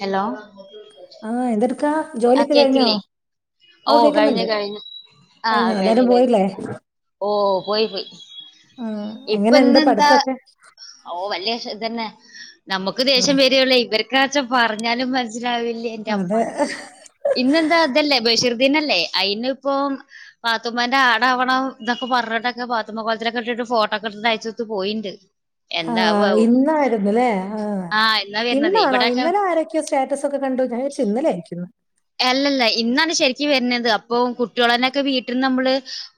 Hello ആഹ് എന്തെടുക്കാ ആ ജോലി ഒക്കെ കഴിഞ്ഞോ കേക്കില്ലേ ഓ കഴിഞ്ഞു കഴിഞ്ഞ് ആഹ് കഴിഞ്ഞോ കഴിഞ്ഞു എല്ലാരും കഴിഞ്ഞു പോയില്ലേ ഓ പോയി പോയി ആഹ് ഇപ്പൊ എങ്ങനെണ്ട് ഇന്നെന്താ പഠിത്തൊക്കെ? ഓ വലിയ ഇതന്നെ നമുക്ക് ആ ദേഷ്യം വരേള്ളൂ ഇവർക്കാച്ച പറഞ്ഞാലും മനസ്സിലാവില്ലേ ന്റെപ്പ അതെ ഇന്നെന്താ ഇതല്ലേ ബഷീർദീനല്ലേ അയിനിപ്പം പാത്തുമ്മാന്റെ ആടാവണം ന്നൊക്കെ പറഞ്ഞിട്ടൊക്കെ പാത്തുമ്മ കോലത്തിലൊക്കെ ഇട്ടിട്ട് ഫോട്ടോക്കെ ഇടുത്തിട്ട് അയച്ചൊത്ത് പോയിണ്ട് ആഹ് എന്താവാവോ ഇന്നായിരുന്നുല്ലേ ആഹ് എന്നാ വരണത് ഇന്നാണോ ഇവിടെയൊക്കെ ഇന്നലെ ആരൊ ക്കെയോ സ്റ്റാറ്റസ് ഒക്കെ കണ്ടു ഞാൻ വിചാരിച്ചു ഇന്നലെയായിരിക്കുന്ന് അല്ലല്ല ഇന്നാണ് ശരിക്കും വരുന്നത് അപ്പൊ കുട്ടികളോന്നെയൊക്കെ വീട്ടിൽ നമ്മള്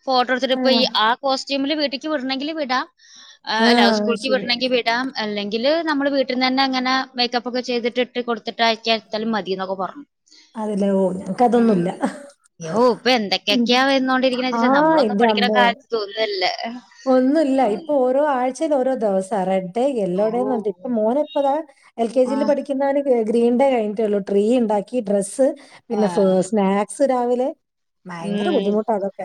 ഫോട്ടോ എടുത്തിട്ട് ആ ഇപ്പ ഈ ആ കോസ്റ്റ്യൂമില് വീട്ടിക്ക് വിടണമെങ്കിൽ വിട ആ ആഹ് ല്ല സ്കൂളിക്ക് ശരി വിടണെങ്കി വി ടാം അല്ലെങ്കിൽ നമ്മൾ വീട്ടിൽന്ന് തന്നെ ഇങ്ങനെ മേക്കപ്പ് ഒക്കെ ചെയ്തിട്ട് ഇട്ട് കൊടുത്തിട്ട് അയക്കാ എടുത്താലും മതി ന്നൊക്കെ പറഞ്ഞു. അതല്ലേ ഓ ഞാൻ ഉം യ്യോ ഇപ്പൊ ഉം എന്തൊക്കെയൊക്കെയാ വന്നോണ്ടിരിക്കണെ ആ വച്ചിട്ടാ നമ്മളൊന്നും പഠിക്കണ കാര് ത്തൊന്നൂല്ലാ ഒന്നൂല്ല ഇപ്പൊ ഓരോ ആഴ്ച്ചേൽ ഓരോ ദിവസാ റഡ് എല്ലോടെ ഓഹ്. നറഞ്ഞിട്ട് ഇപ്പ മോന് ഇപ്പതാ എൽ കെ ജിൽ ആഹ്. പഠിക്കുന്നവന് ഗ്രീൻ ഡേ കഴിഞ്ഞിട്ടേഉള്ളൂ ട്രീ ഉണ്ടാക്കി ഡ്രസ്സ് പിന്നെ സ് ആഹ്. സ്നാക്സ് രാവിലെ ഭയങ്കര ഉം ബുദ്ധിമുട്ടാ അതൊക്കെ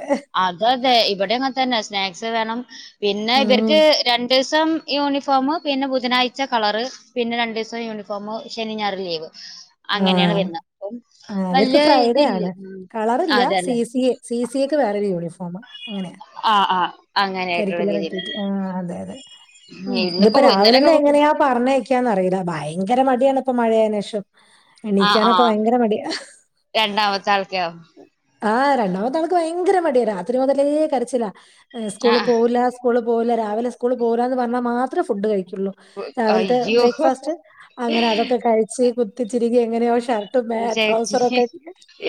അതതെ ഇവിടെങ്ങെ തന്നെ സ്നാക്സ് വേണം പിന്നെ ഉം. ഇവര്ക്ക് രണ്ടു ദിവസം യൂണിഫോം പിന്നെ ബുധനാഴ്ച കളറ് പിന്നെ രണ്ടു ദിവസം യൂണിഫോമ് ശനി ഞായറ് ലീവ് ആ അങ്ങനെയാണ് വരുന്ന അപ്പം വല്യ ഇതില് ഇല്ല സി സി സി സി എക്ക് വേറൊരു യൂണിഫോം അങ്ങനെയ ആ ആഹ കരിക്ക കട്ടി ആ അതെ അതെ ഉ ഇന്നിപ്പോ ഇതിപ്പോ രാവിലെ തന്നെ ഇന്നലെയൊക്കെ കുട്ടി എങ്ങനെയാ പറഞ്ഞയക്കാന്നറിയില്ല ഭയങ്കര മടിയാണിപ്പ മഴയന് ശേഷം ആഹ് എണീക്കാനൊക്കെ ആഹ് ഭയങ്കര മടിയ രണ്ടാമത്തെ ആൾക്കോ ആ രണ്ടാമത്തെ ആൾക്ക് ഭയങ്കര മടിയ രാത്രി മുതലേ കരച്ചില്ല സ്കൂളിൽ ആഹ് പോവൂല്ല സ്കൂളി പോവില്ല രാവിലെ സ്കൂൾ പോവില്ല എന്ന് പറഞ്ഞാൽ മാത്രമേ ഫുഡ് കഴിക്കുള്ളൂ രാവിലത്തെ അയ്യോ ബ്രേക്ക്ഫാസ്റ്റ് അങ്ങനെ അതൊക്കെ കഴിച്ച് കുത്തിച്ചിരികി എങ്ങനെയോഷ ഇട്ടു മെ വിചാരിച്ച് ട്രൗസറൊക്കെ ഇട്ടു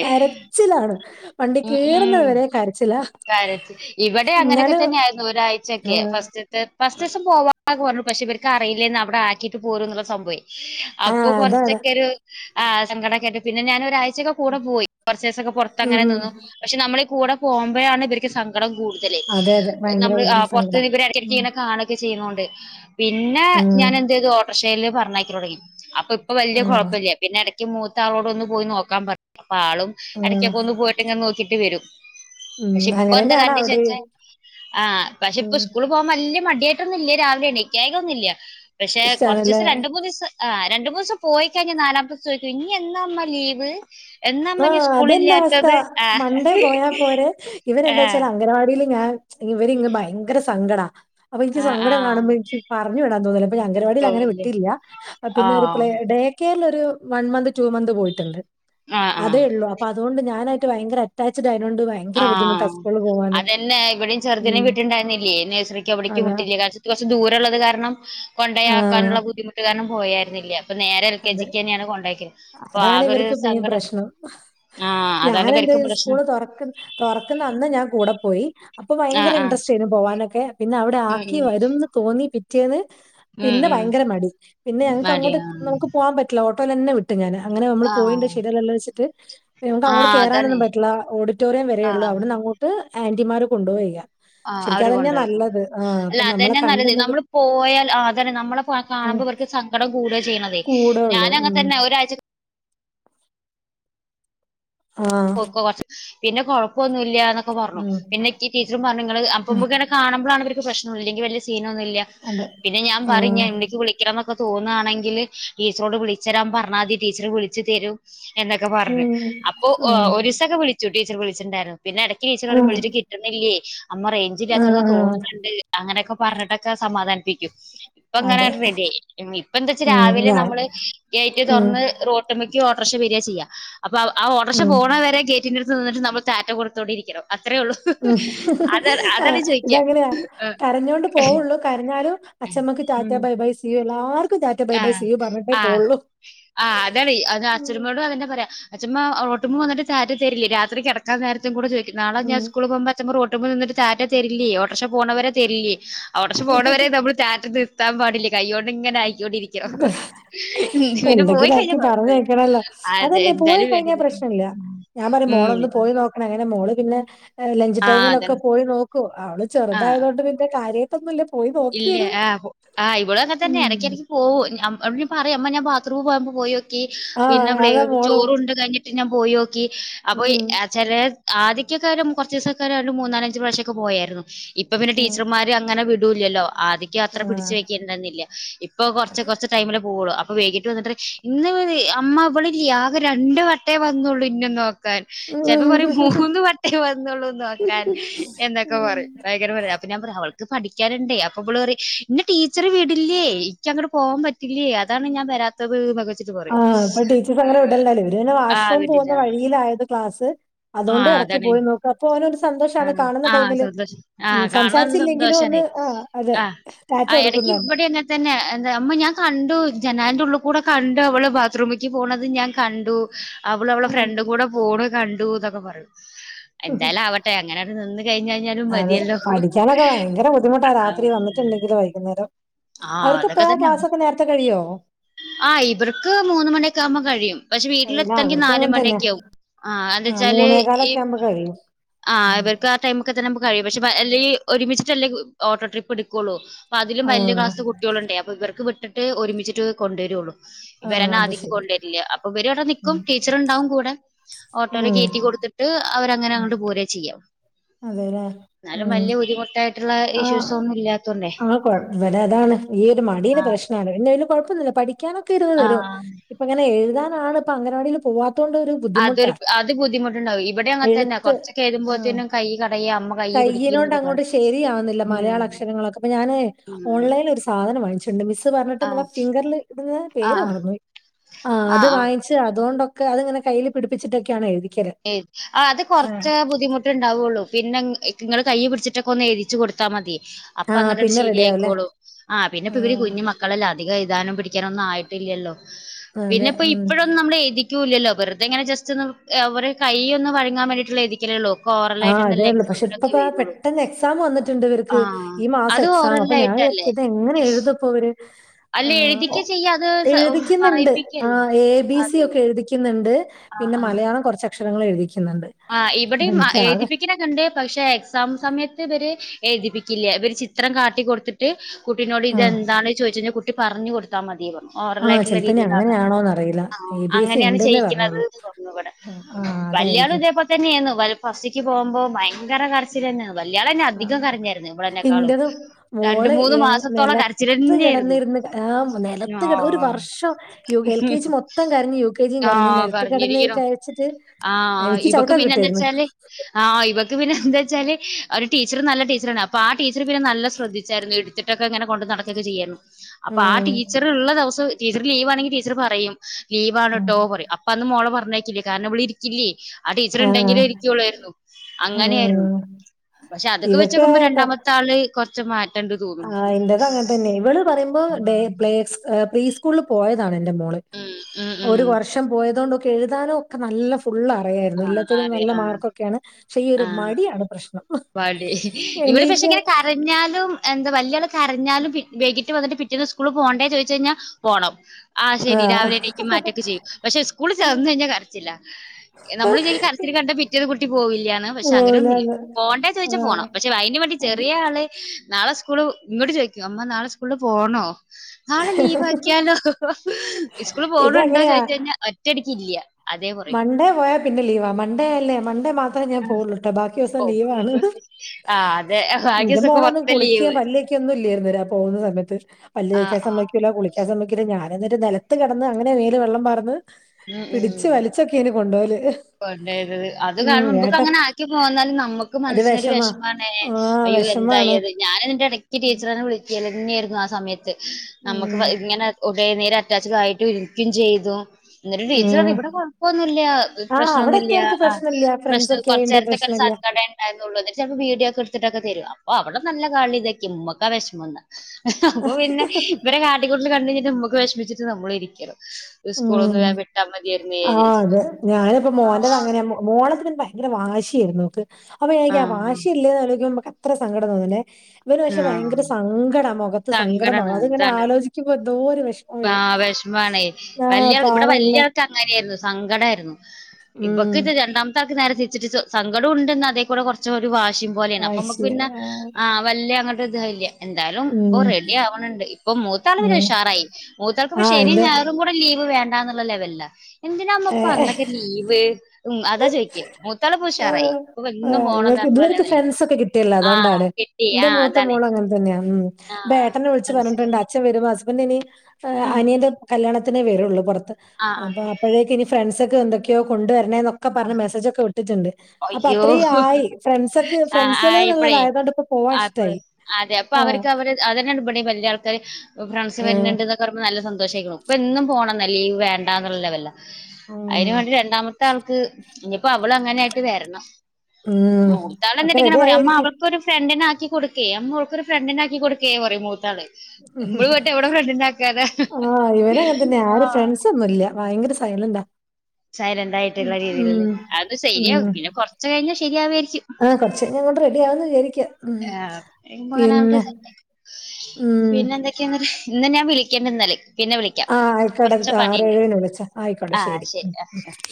കരച്ചിലാണ് വണ്ടി ഉം കേറുന്നത് ഉം വരെ കരിച്ചിലാ കരച്ചിൽ ഇവിടെ അങ്ങനെയൊക്കെ തന്നെയ ആയിരുന്നു ഒരാഴ്ചൊക്കെ ആഹ് ഫസ്റ്റ്താ ഫസ്റ്റ് ദിവസം പോവാെ പറഞ്ഞു പക്ഷെ ഇവർക്ക് അറിയില്ലേന്ന് അവിടെ ആക്കിട്ട് പോരും എന്നുള്ള സംഭവേ ആ അപ്പൊ അതാണ്. കുറച്ചൊക്കെ ഒരു ആ സങ്കടൊക്കെട്ട് പിന്നെ ഞാൻ ഒരാഴ്ചക്കയൊക്കെ കൂടെ പോയി കുറച്ച് ദിവസൊക്കെ ഉം, പുറത്ത്ങ്ങനെ ഉം. നിന്ന പക്ഷെ നമ്മള ഈ കൂടെ പോകുമ്പോഴാണ് ഇവർക്ക് സങ്കടം കൂടു ത്തൽ അതെ, അതെ. ഭയങ്കര നമ്മള് ഹാ ഒരു പുറത്ത് സങ്കടാ. ഇവടെ എടക് എടക് ഉം, ഇങ്ങനെ കാണ ചെയ്യണെണ്ട് പിന്നെ ഉം. ഞാൻ എന്ത് ചെയ്തു ഓട്ടോക്ഷല് പറഞ്ഞക്ക തുടങ്ങി അപ്പൊ പ്പൊ വലിയ ആഹ്, കുഴപ്പല്ല പിന്നെ ഇടയ്ക്ക് മൂത്ത ആളോടൊന്നു പോയി നോക്കാൻ പറി അപ്പൊ ആളും ഇടയ്ക്കൊക്കെ ആഹ്. ഒന്ന് പോയിട്ട് ഞാൻ നോക്കിട്ട് വരും ഉം, പക്ഷെ ഇപ്പൊ അങ്ങനെ എന്താ തന്നെയാണ് കണ്ടിഷാ ച്ച അവിടെയും. ആഹ പക്ഷെ ഇപ്പ ഉം. സ്കൂള പോവാൻ വലിയ മടിയായിട്ടൊന്നുംല്ല രാവിലൊ എണ്ണികായിക ഒന്നും ഇല്ല പക്ഷെ കുറച്ച് ഇഷ്ടാണല്ലേ? ദിവസം രണ്ട്‌ മൂന്ന് ദിവസം ആ രണ്ടുമുസം പോയിക്കഴിഞ്ഞ നാലാത്തെ ദിവസം ചെയിക്കും ഇനി എന്നാ മ്മ ലീവ് എന്നാമ്മ ഇനി ആഹ അതെന്നെ അവസ്ഥ സ്കൂളില്ലാത്തത് ആഹ് മണ്ടേ പോയാ പോരെ ഇവന് എന്താ വെച്ചാൽ ആഹ് അംഗൻവാടിൽ ഞാ ഇവരിങ്ങ് ഭയങ്കര സങ്കടാ അപ്പൊ എനിക്ക് ആഹ് സങ്കടം ആഹ് കാണുമ്പോ എനിക്ക് പറഞ്ഞു വിടാൻ തോന്നില്ല അപ്പ അങ്കൻവാടിയിൽ അങ്ങനെ ചോദില്ലേ വിട്ടില്ല അ പിന്നെ ഒരു പ്ലേ ആഹ് ഡേ കെൽ ഒരു വൺ മന്ത് ടു മന്ത് പോയിട്ടുണ്ട് ആഹ് ആഹ് അതേ ഉള്ളു അപ്പൊ അതുകൊണ്ട് ഞാനായിട്ട് ഭയങ്കര അറ്റാച്ചഡ് ആതോണ്ട് ഭയങ്കര ബുദ്ധിമുട്ടാ ആഹ് സ്‌കൂ അതന്നെ ഇവിടിം ചെറുതിനും വിട്ടുണ്ടായിരുന്നില്ലേ നേഴ്സറിക്ക് അവിടേക്കും അതാ. വിട്ടില്ലേ കാര കുറച്ച് ദൂരള്ളത് കാരണം ആഹ് കൊണ്ടയാക്കാനുള്ള ബുദ്ധിമുട്ട് കാരണം പോയായിരുന്നില്ല ഇപ്പൊ നേരെ അതെ. എൽകേജിക്ക് തന്നെയാണ് കൊണ്ടക്കിയത് അപ്പൊ അതാണ് ആതൊരു ഇവർക്ക് മെയിൻ സങ്കടം പ്രശ്നം. ആഹ അതാണ് ഇവർക്ക് പ്രശ്നം തോറക്കുന്ന അന്ന് ഞാൻ കൂടെ പോയി അപ്പൊ ആഹ് ഭയങ്കര ആഹ് ഇൻട്രസ്റ്റ് ആയിരുന്നു പോകാനൊക്കെ പിന്നെ അവിടെ ഉം ആക്കി വരുംന്ന് തോന്നി പിറ്റേന്ന് ഉം പിന്നെ ഉം ഭയങ്കര മടി പിന്നെ ഉം ഞങ്ങക്ക് മടിയ അങ്ങോട്ട് നമുക്ക് പോകവാൻ പറ്റില്ല ഓട്ടോൽ തന്നെ വിട്ട് ഞാൻ അങ്ങനെ നമ്മൾ പോയിണ്ട് ആഹ് ശരിയല്ലോച്ചിട്ട് ഞമുക്ക് അങ്ങോട്ട് ആഹ് അതാണ് കേറാനൊന്നും പറ്റില്ല ഓഡിറ്റോറിയം വരേയുള്ളൂ ആഹ് അവിടുന്ന് അങ്ങോട്ട് ആന്റിമാര് കൊണ്ടോവെചെയ്യാ ആ അവര് കൊണ്ടോയിക്കാനും അല്ല അപ്പൊ നമ്മളെ അതന്നെ നല്ലത് കണ്ടില്ലെങ്കിൽ നമ്മള് പോയാൽ അതന്നെ നമ്മളെ ഉം കാണുമ്പോ ഇവർക്ക് സങ്കടം കൂടുക ചെയ്യണത് കൂടെ [unintelligible] ഉള്ളൂ. ഞാന അങ്ങ ഉം തന്നെ ഒരാഴ്ച ആഹ് പോക്കെ [unintelligible] കുറ പിന്നെ കൊഴപ്പമൊന്നുംല്ലന്നൊക്കെ പറഞ്ഞു ഉം പിന്നെ ക്കി ടീച്ചറും പറഞ്ഞു നിങ്ങള് ഉം അപ്പമ്ബകാനെക്കെ കാണുമ്പോഴാണ് ഇവർക്ക് പ്രശ്നം ഇല്ലങ്കിൽ വലിയ സീനൊന്നുഇല്ല അതെ പിന്നെ ഞാൻ പറിം ആഹ് ഞ്ഞക്ക് വിള ക്കാ ന്നൊക്കെ തോന്നുണെങ്കിൽ ടീച്ചറോട് വിളിച്ചരാൻ പറഞ്ഞാൽ മതി ടീച്ചർ വിളിച്ചു തരും എന്നൊക്കെ പറഞ്ഞ് ഉം അപ്പൊ ഉം ടിസൊക്കെ വിളിച്ചു ടിച്ചർ വിളിച്ചിണ്ടായിരുന്നു പിന്നെ എടക്ക് ടിച്ചററിം ആഹ് വിളിച്ചിട്ട് കിട്ടുന്നില്ലേ അമ്മ റേഞ്ചിൽ ആഹ് ഇല്ലതോട്ത്താ ആഹ് തോന്നുന്നുണ്ട് അങ്ങനെയൊക്കെ പറഞ്ഞിട്ടൊക്കെ സമാധാനിപ്പിക്കും ഇപ്പ അതെ. ഇങ്ങനെ റെഡിയായി ഇപ്പ എന്താ വച്ച ഉം രാവിലെ ഞാൻ നമ്മള് ഗേറ്റ് ഉം തോറന്ന് റോ ട്ട്മ്മയ്ക്ക് ഓഡ്രക്ഷ വരിയാ ചെയ്യ അപ്പൊ ആ ഓഡ്രഷ ഉം പോന്ന വരെ ഗേ റ്റിൻ്റെടുത്ത് നിന്നിട്ട് നമ്മൾ താറ്റോ കൊടുത്തോണ്ടെ ഇരിക്കണം അത്രേ ഉള്ളൂ ഉം അതാണ് ആഹ് അതാണ് ചോദിക്കുക ഇതങ്ങനെയാ കരഞ്ഞൊണ്ട് പോവുള്ളു കരഞ്ഞാലും അച്ഛമ്മക്ക് ഉം ചാറ്റാ ബൈ ബൈ സീ യൂ എല്ലാ ലാർക്കും റ്റാ റ്റാ ആ ബൈ സി യു പറഞ്ഞിട്ടേ ആഹ് പോവുള്ളൂ ഉം എന്നോടും അതന്നെ പറയാ അച്ചമ്മ ഓട്ടുമ്പോ വന്നിട്ട് റ്റാറ്റാ തരില്ലേ രാത്രി കിടക്കാൻ നേരത്ത് കൂടെ ചോദിക്കും നാളെ ഞാൻ ഉം സ്കൂള് പോകുമ്പം ച്ചമ്മ റോട്ടുമ നിന്നിട്ട് റ്റാ റ്റാ തരില്ലേ ഓട്ടോറിക്ഷ പോവണ വരെ തരില്ലേയ് ഓട്ടോറിക്ഷ പോണവരെ നമ്മള് റ്റാറ്റാ നി ത്താൻ പാടില്ലേ കൈ കൊണ്ട് ഇങ്ങനെ ആയിക്കൊണ്ടിരി ക്കും പിന്നെ പോയി എന്തെങ്കിലും കഴിഞ്ഞ ആക്കി കൊഴപ്പില്ല പറഞ്ഞയക്കണല്ലോ. അതെ അതന്നെ പോയി എന്താലും കഴിഞ്ഞാ വേണ്ടില്ലാ പ്രശ്നല്ല. ഞാൻ പറയും മോള് ഒന്ന് പോയി നോ അങ്ങനെ മോള് പിന്നെ ലഞ്ച് ആഹ് ടൈമിലൊക്കെ അതാണ് പോയി നോക്കു അവള് ആഹ് ചെറുതായതുകൊണ്ട് പിന്നെ കാര്യ പ്പെന്നുല്ല പോയി നൊ ഇല്ല ആഹ് ആഹ് ഇവിള് അങ്ങെനെ തന്നെയാ ഇടക്ക് ഉം ഇടക്ക് പോകും നമ്മ അവര് പറയും അമ്മ ഞാൻ ബാത്‌റൂമിൽ പോയപ്പോ പോയി നോക്കി ആഹ് പിന്നെ ബ്ലെ അതാ മോളും ചോറുണ്ട് കഴിഞ്ഞ് ട്ട് ഞാൻ പോയി നോക്കി അപ്പൊ ഉം ഹെ ചിലെ ആദ്യക്കെക്കാരു കുറച്ചിസക്കെ രണ്ട് മൂന്നാലഞ്ച് പ്രാവശ്യംക്കെ പോയായിരുന്നു ഇപ്പൊ പിന്നെ ഉം ടീച്ചർമാര് അങ്ങനെ വിടൂല്ലല്ലോ ആദ്യക്കം അത്ര പിടിച്ചു ആഹ് വെക്കണ്ടന്നില്ല ഇപ്പൊ കൊറച്ച് കുറച്ച് ടൈമില് പോവോളു അപ്പ് അപ്പോ വൈകിട്ട് വന്നിട്ട് പറയും ഇന്ന് അമ്മ ഇവള് യാകെ രണ്ട് വട്ടേ വന്നള്ളു ഇന്നേ നോ ചിലപ്പോ പറയും മൂന്ന് വട്ടേ വന്നള്ളൂ നോക്കാൻ എന്നക്കെ ഉം പറയും അങ്ങനെ പറയും അപ്പൊ ഞാൻ പറയും അവൾക്ക് പഠി പഠിക്കാനുണ്ടേ അപ്പൊ ഇവള് ഇന്ന് ടീച്ചർ വീടില്ലേ എനിക്ക് അങ്ങടെ പോകാൻ പറ്റില്ലേ അതാണ് ഞാൻ വരാത്തേ ട്ടത് ന്നൊക്കെ വെച്ചിട്ട് പറയും ആഹ് ഇപ്പ ടിച്ചറ് അങ്ങനെ വിടലല്ലേ ഇത് തന്നെ ആ വാഷ് റൂം വിട്ടില്ല പോകുന്ന വഴിയില ഇത് ക്ലാസ് ആ അതുകൊണ്ട് ഇടക്ക് അതാണ് പോയി നോക്ക അപ്പൊ ഓനൊരു ആ സന്തോഷമാണ് കാണുന്ന ആ ടൈമില് സന്തോഷം ആ ഉം കാണാൻ സംസാരിച്ചില്ലെങ്കിലും സന്തോഷാണ് ഒന്ന് ആഹ് അതെ ആ റ്റാ ആ റ്റാ ഇടയ്ക്ക് കൊടുക്കുന്ന ഇവിടെ അങ്ങനെ തന്നെ എന്താ അമ്മ ഞാൻ കണ്ടു ജനാലിന്റെ ഉള്ളിൽ കൂടെ കണ്ടു അവള് ബാത്റൂമേക്ക് പോകണത് ഞാൻ കണ്ടു അവള് അവളെ ഉം. ഫ്രണ്ട് കൂടെ പോണ് കണ്ടു എന്നൊക്കെ പറയും എന്തായാലും ആവട്ടെ അങ്ങനെട് നിന്ന് കഴിഞ്ഞ കഴിഞ്ഞാലും അതെ. മതിയല്ലോ പഠിക്കാനൊക്കെ അന്നേരം ആ, അവർക്ക്പ്പോഴാ ക്ലാസ് ഒക്കെ നേരത്തെ കഴിയോ ആഹ് ഇവർക്ക് മൂന്ന് മണിയൊക്കെ ആവുമ്പോ കഴിയും പക്ഷെ കഴിയില്ല വീട്ടിലെത്തണങ്കിൽ അവർക്കും നാല് അങ്ങനെ തന്നെ. മണിയൊക്കെ ആവും ആഹ് എന്ന് ആ വെച്ചാല് ഈ മൂന്നേകാലൊക്കെ ആവുമ്പോ കഴിയും. ആഹ് ഉം. ഇവർക്ക് ആഹ് ടൈമക്കെ തന്നെ കഴിയും പക്ഷെ അല്ല ഈ ഒരുമിച്ചിട്ടല്ലേ ഓട്ടോ ട്രിപ്പ് എടുക്കുള്ളൂ ഇപ്പ അതിലും ആ. വല്യ ക്ലാസ് കുട്ടികളുണ്ടേ അപ്പ ഇവർക്ക് വിട്ട്ട്ടേ ഒരുമിച്ചിട്ട് കൊണ്ടുവരുള്ളു ആ ഇവരന്നെ അത് ആദ്യക്ക് ശരി. കൊണ്ടുവരില്ലേ അപ്പൊ പിന്നെ ഇവിടെ നിക്കും ഉം. ടീച്ചർണ്ടാവും കൂടെ ഓട്ടോയിൽ കേറ്റി ഉം. കൊടുത്തിട്ട് അവരങ്ങനെ അങ്ങോട്ട് പോരുക ചെയ്യാ അതെല്ലേ ഉം ബുദ്ധിമുട്ടായിട്ട്ള്ള ആഹ് ആഹ് കൊഴ ഇവിടെ അതാണ് ഈ ഒരു മടി ട ആ പ്രശ് നം ആണ് എന്നാലും കുഴപ്പല്ല പഠിക്കാനൊക്കെ ഇരന്ന് തരും ആ ഇപ്പ ഇങ്ങനെ എഴുതാനാണ്പ്പൊ അങ്ങനവാടിയിൽ പോവാത്തോണ്ട് ഒരുത് അതൊരു അത് ബുദ്ധിമുട്ടണ്ടാവും ഇവിടെ അങ്ങെ തന്നെ എഴുത്ത് കുറച്ചൊക്കെ ആ എഴതമ്പോഴത്തേനും കൈ കടയി അമ്മ കൈ കയ്യിനോണ്ട് പിടിക്കന്നക്കെ പറയാ അങ്ങോട്ട് ശരിയാവുന്നില്ല മലയാള അക്ഷരങ്ങളൊക്കെ അപ്പൊ ഞാന് ഓൺലൈനിൽ ഒരു സാധനം വാങ്ങിച്ചിട്ടുണ്ട് മിസ് പറഞ്ഞട്ട് ആ നമ്മളെ ഫിംഗറിൽ ഇടുന്ന ആ പേര് മറന്നു പോയി ആഹ് ആ അത് ആ വാങ്ങിച്ച് അതുകൊണ്ടൊക്കെ അത്ങ്ങനെ കയ്യിൽ പിടിപ്പിച്ചിട്ടൊക്കെയാണ് എഴുതിക്കല് ഏഹ് അത് ആ കുറച്ച് ബുദ്ധിമു ട്ട് ഉണ്ടാവുള്ളു പിന്നെ നിങ്ങള് കൈ പിടിച്ചിട്ടൊക്കെ ഒന്ന് എഴുതിച്ചു കൊടുത്താ മതി അപ്പൊ ആ, അങ്ങന പിന്നെ റെഡിയാവും അല്ലേ? ശരിയായിക്കോളും ആഹ് ആ പിന്നെപ്പൊ ഇവര് കുഞ്ഞ് മക്ക മക്കളല്ലേ അധികം എഴുതാനും പിടിക്കാനൊന്നുംയിട്ടില്ലല്ലോ അതെ പിന്നെ ഇപ്പ ഉം. ഇപ്പോഴൊന്നും നമ്മള് എഴുതി ക്കുലല്ലോ വെറുതെങ്ങനെ ജസ്റ്റ് ഒന്ന് അവരടെ കൈയൊന്ന് വഴങ്ങാൻ വേണ്ടിട്ടുള്ള എഴുതിക്കലേ ഉള്ളു ആഹ് അതേ ഉള്ളൂ പക്ഷെ ഇപ്പ പെട്ടെന്ന് എക്സാം വന്നിട്ടുണ്ട് ഇവർക്ക് ആ ഈ മാസം അത് എക്സാം അപ്പൊ ഞാൻ ഓറലായിട്ടല്ലേ വിചാരിക്ക അതെങ്ങനെ എഴുതുപ്പോ ഇവര് അല്ല ആഹ് എഴുതിക്ക ചെയ്യാ അത് സ എഴുതിക്കുന്നുണ്ട് പറയിപ്പിക്കല്ലേ ആഹ് എ ബി സി അതെയോ ഒക്കെ എഴുതിക്കുന്നുണ്ട് ആ പിന്നെ മലയാളം കുറച്ചക്ഷരങ്ങൾ എഴുതിക്കുന്നുണ്ട് ആഹ് അപ്പൊ ഇവിടെം എനിക്ക് ആകെ എഏതിപ്പിക് ണ്ട് പക്ഷെ എക്സാം സമയത്ത് ഇവര് ഏതിപ്പിക്കില്ല ഇവര് ചിത്രം കാട്ടി കൊടുത്ത് കുട്ടിനോട് ആഹ് ഇതെന്താണ് ചോദിച്ചു കഴിഞാൽ കുട്ടി പറഞ്ഞു കൊടു മതി ആ ഓറലായിട്ടുള്ള ചിലപ്പോ ഇനി രീതിയിലാണ് അങ്ങനെയാണോന്നറിയില്ല. എ ബി സി അങ്ങനെയാണ് ഉണ്ടെന്നേ ചെയ്യിക്കുന്നത് പറഞ്ഞുള്ളൂ. വിടെ ആ ആ, വല്യാള് അതായിരിക്കും. ഇതേ തന്നെയായിരുന്നു ഫ ഫസ്റ്റിക്ക് പോകുമ്പോൾ ഭയങ്കര കറച്ച തന്നെയരുന്നു വല്യാള എന്നെ ആ അധികം കരഞ്ഞായിരുന്നു ഇവിളെക്കാളും ഇന്റതും രണ്ട് മോള് മൂന്ന് എങ് മാസത്തോം കര കിടന്നിരുന്ന് ആഹ് നില ആ കിട ഒരു വർഷം എൽ കെ ജി മൊത്തം മൊത്തം കഞ്ഞ് യു കെ ജിയും കരഞ്ഞ് നിലത്ത് കടന്നേക്ക ക അയച്ചിട്ട് ആഹ് ഇവൊക്ക് പിന്നെ എന്താ വെച്ചാല് ആഹ് ഇവക്ക് പിന്നെ എന്താ വെച്ചാല് ഒരു ടീച്ചർ നല്ല ടീച്ചറണ് അപ്പൊ ആഹ് ടീച്ചർ പിന്നെ നല്ല ശ്രദ്ധിച്ചായിരുന്നു ത്തിട്ടൊക്കെ അങ്ങനെ കൊണ്ട് നടക്കുകൊക്കെ ചെയ്യായിരുന്നു അപ്പൊ ആഹ് ടീച്ചർ ഉം ഉള്ള ദിവസം ടീച്ചർ ലീവാണെങ്കിൽ ടീച്ചർ പറയും ലീവാണ് ഉം ട്ടോ പറയും അപ്പൊ അന്ന് മോളെ പറഞ്ഞേക്കില്ലേ കാരണം ഇവളി ഇരിക്കില്ലേ ആഹ് ടീച്ചർ ആഹ് ഉണ്ടെങ്കിലേ ഇരിക്കുള്ളായിരുന്നു ആഹ് അങ്ങനെയായിരുന്നു പക്ഷെ അതൊക്കെ ഇവക്ക് വെച്ചക്കുമ്പോ ക രണ്ടാമത്തെ ആള് കൊറച്ച് മാറ്റ രണ്ട് തൂഗിൾ ആഹ് എന്റത് അങ്ങനെ തന്നെയ ഇവള് പറയുമ്പോ ആഹ് പ്ലെ പ്രീ സ്കൂളിൽ പോയതാണ് എന്റെ മോള് ഉം ഉം ഉം ഒരു വർഷം പോയത് കൊണ്ടൊക്കെ എഴുതാനും ഒക്കെ നല്ല ഫുള്ള് അറിയായിരുന്നു ആ എല്ലാത്തിലും അറിയ നല്ല ആ മാർക്കൊക്കെയാണ് പക്ഷെ ഈ ഒരു മടിയാണ് പ്രശ്നം വാല്ലേ ഇവള് പക്ഷെ എണീക്കാൻ ഇങ്ങനെ കരഞ്ഞാലും എന്താ വലിയാള് കരഞ്ഞാലും പിറ്റ് വൈകിട്ട് വന്നിട്ട് പിറ്റേന്ന് സ്കൂള് പോണ്ടേന്ന് ചോദിച്ചു കഴിഞ്ഞാ പോണം ആഹ് ശരി രാവിലെണീക്കും മാറ്റൊക്കെ ചെയ്യും പക്ഷെ സ്കൂളിൽ ചെന്നു കഴിഞ്ഞാ കരച്ചില നമ്മള് വിചാരിക്കും കരച്ചില് കണ്ടാ പിറ്റേന്ന് കുട്ടി പോവില്ലാന്ന് പക്ഷെ അങ്ങനെ ഒന്നുംഇല്ല പോവൂലാന്ന് പോണ്ടേ ചോദിച്ചാ ആഹ് പോണം പക്ഷെ അതിന് വേണ്ടി അത് ചെറിയ ആള് നാളെ സ്കൂള് ഇങ്ങോട്ട് ചോദിക്കും അമ്മ നാളെ സ്കൂളിൽ പോണോ നാളെ ലീവ് ആക്കിയാലോ നീസ്കൂള് പോകണുണ്ടോന്ന് ഇതങ്ങനെയാ ചോദിച്ച് കഴിഞ്ഞാ ഒറ്റയടിക്ക് ഇല്യ അതെപറയും മണ്ടേ പോയ പിന്നെ ലീവാ മൺണ്ടേ അല്ലേ മണ്ടേ മാത് ത്രം ഞാൻ ആ. പോവുള്ളുട്ട ബാക്കി ദിവസം ഓ ലീവാണ് എന്ന് ആഹ് അതെ ബാക്കി പിന്നെ ദിവസൊക്കെ മോളൊന്നും മൊത്തം കുളിക്കേ ലീവ് പല്ല് തേക്കോ ഒന്നുല്ലായിരുന്നു രാ പോകുന്ന സമയത്ത് പല്ല് തേക്കാൻ സമ്മയ്ക്കൂല കുളിക്കാൻ സമ്മതിക്കില്ല ഞാനന്നേരം നെലത്ത് കിടന്ന് അങ്ങനെ മേല് വെള്ളം വാർന്ന് പിടിച്ച് വലിച്ചൊക്കെ ഇന് കൊണ്ടോവല് [unintelligible] ഉം അത്കാരണം നമുക്ക് ഏട്ടൻ അങ്ങനെ ആക്കി പോന്നാലും നമ്മുക്ക് ഒരു മനസ്സിനൊരു വെഷമാ. വെഷ്മാണ് ഏഹ് ആഹ് അയ്യോ വെഷമാണ്. എന്തായത് ഞാനതിന്റെ എടയ്ക്ക് ടീച്ചറിനെ വിളിക് ലന്നെയായിരുന്നു ആ സമയത്ത് നമുക്ക് ഉം ഇങ്ങനെ [unintelligible] നേര പ്രശ്‌നായിട്ട് വിളിക്കയും ചെയ്തു അന്നേരം ടീച്ചറ് പറഞ്ഞു ഉം. ഇവിടെ കുഴപ്പമൊന്നുല്ല്യാ ആഹ് അവടെ പ്രശ്നൊന്നുല്ല്യാ എത്തിയോർക്ക് പ്രശ്നല്ല. പ്രശ്നം ഫ്രണ്ട്സൊക്കെ കുറച്ച് ആയോണ്ട് നേരത്തൊക്കെ പ്രശ്നല്ല. സങ്കടായിരു ന്നുള്ളു ചിലപ്പോ വീഡിയോ ഒക്കെ എടുത്തിട്ടൊക്കെ തരും അപ്പൊ അവിടെ നല്ല കളി ഇതൊക്കെയയി മ്മക്കാ വിഷമമെന്ന അപ്പൊ പിന്നെ ഇവരെ കാട്ടിക്കൂട്ടിൽ കണ്ട് കഴിഞ്ഞിട്ട് മ്മക്ക് വിഷമിച്ചിട്ട് നമ്മളിരിക്ക [unintelligible] ആഹ് അതെ ഞാനിപ്പോ മോന്റതങ്ങനെയാ മോ മോള [unintelligible] ഭയങ്കര വാശിയായിരുന്നു അവക്ക് അപ്പൊ ഞാൻ വിചാരിക്കുവാ ആ ആഹ് വാശി ഇല്ലേന്നാലോചിക്കുമ്പോഴാ അത്ര സങ്കടം തോന്നില്ലേ ഇവന് പക്ഷെ ഭയങ്കര ആഹ് സങ്കട മുഖത്ത് സങ്കടഭാവ സങ്കടാണ് അതിങ്ങനെ ആലോചി ക്കുമ്പോ എന്തോ ഒരു വെഷ് ആഹ് വെഷ്മാണെ വലിയാള് ഇവിടെ വലിയ പാവല്ലേ? ക്ക് അങ്ങനെയായിരുന്നു സങ്കടായിരുന്നു ഇവക്ക് മ്മ്. ഇത് രണ്ടാമത്ത ത്താക്ക് നേരെ തിരിച്ചിട്ട് സങ്കടം ഉണ്ട് എന്ന അതേ കൂടെ കുറച്ചൊരു വാശി പോലെയാണ് അപ്പൊ നമ്മുക്ക് വാശി. പിന്നെ ആ. ആഹ് വല്യ അങ്ങട്ട് ഇതായില്യ എന്തായാലും ഇപ്പൊ മ്മ്. റെഡി ആവണണ്ട് ഇപ്പൊ മൂത്താള് ആ. പിന്ന ഉഷാറായി മൂത്താൾക്ക് ഇപ്പ ആ ശനി ഞായറും കൂടെ ലീവ് വേണ്ടന്നുള്ള ലെവലിലാ എന്തിനാമ്മപ്പൊ എന്റെ അന്നൊക്കെ ലീവ് ഉം അതാ ചോയിക്കാ മൂത്താള് ഇപ്പൊ ഉഷാറായി ആഹ് ഇപ്പൊ എന്നും ആഹ് പോണംന്ന് ഇവർക്ക് പറഞ്ഞിട്ടുള്ള ഇതുവർക്ക് ലെവലില് ഫ്രൻസ് ഒക്കെ കിട്ടിയല്ലോ ആഹ് അതുകൊണ്ടാണ് കിട്ടി എന്റെ ആഹ് മൂത്ത അതാണ് മോളും അങ്ങനെ തന്നെയാണ് ഉം ഇപ്പ ആഹ് ഏട്ടന് വിളിച്ച് മനസ്സിക്ക് പറഞ്ഞിട്ടുണ്ട് അച്ഛൻ വരും ഹസ്ബൻഡ് ഇനി ഉം അനിയന്റെ കല്യാണത്തിനേ വരുള്ളൂ പുറത്ത ആഹ് ആഹ് അപ്പൊ അപ്പോഴേക്കിനി ഫ്രണ്ട്സൊക്കെ എന്തൊക്കെയോ കൊണ്ടുവരണേന്നൊക്കെ ക്ക പറഞ്ഞ് മെസേജൊക്കെവിട്ടിട്ടുണ്ട് അപ്പൊ അയ്യോ അത്രേയായി ഫ്രണ്ട്സ് ഒക്കെ ആഹ് ആയപ്പഴേ ഫ്രണ്ട്സള്ന്നുള്ളതായത് കൊണ്ട് ഇപ്പോ പോവാൻ ഇഷ്ടായി ആഹ് അതെന്നെ ഇവിടെയും വലിയ ആൾക്കാരെ ഫ്രണ്ട്സ് ആഹ് വരുന്നുണ്ട്ന്നക്കെ പറഞ്ഞപ്പോ നല്ല സന്തോ ഷമായിരുന്നു ഇപ്പൊ എന്നും പോണെന്ന ലീവ് വേണ്ടന്നുള്ള ലെവലിലാ ഉം അതിന് വേണ്ടി രണ്ടാമത്തെ ആൾ ക്ക് ഇനിയിപ്പോ അവളും അങ്ങനെയായിട്ട് വരണം. ഉം മൂത്താള് ഒക്കെ റെഡി എന്നിട്ടിങ്ങനെ പറയാ അമ്മ ആവായിരിക്കും. അവൾക്ക് ഒരു ഫ്രണ്ടിനെ ആക്കി കൊടുക് ക്കേ അമ്മ ഇവൾക്കൊരു ഫ്രണ്ടിനാക്കി കൊടുക്കെ പറയും മൂത്താള് നമ്മള് മറ്റേ അവട ഫ്രണ്ടിന്റാൽക്കാരാ ന്നുല്ല്യ ഭയങ്കര സയിലെന്റ സൈലന്റായിട്ടുള്ള രീതിയിലല്ലേ അത് ശരിയാകും പിന്നെ കൊറച്ച് കഴിഞ്ഞാ ശരിയാവാരിക്കും ആഹ് കൊറച്ച് കയിഞ്ഞ് അങ്ങട്ട് റെഡി ആവൂന്ന് വിചാരിക്കാ ഉം ഏഹ് [unintelligible] പിന്നെ ഉം പിന്നെ എന്തെ ക്കിന്ന്ട്ട് ഇന്നാ ഞാൻ വിളിക്ക്ണ്ട്ന്നാല് പിന്നെ വിളിക്കാം ആ ആയിക്കോട്ടെ കൊറച്ച് ആറേഴ് പണിയുണ്ട് കഴിഞ്ഞ് വിളിച്ചാ ആയിക്കോട്ടെ ആഹ് ശരി ആഹ്